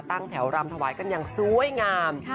ตั้งแถวรำถวายกันอย่างสวยงาม